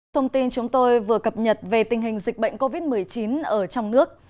thông tin chúng tôi vừa cập nhật về tình hình dịch bệnh covid một mươi chín ở trong nước